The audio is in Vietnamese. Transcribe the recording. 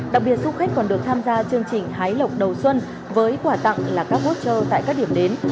đặc biệt du khách còn được tham gia chương trình hái lộc đầu xuân với quà tặng là các voucher tại các điểm đến